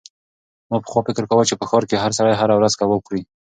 ما پخوا فکر کاوه چې په ښار کې هر سړی هره ورځ کباب خوري.